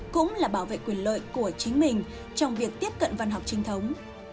cũng là bảo vệ quyền lợi của chính mình trong việc tiếp cận văn học trinh thống